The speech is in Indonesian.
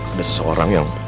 ada seseorang yang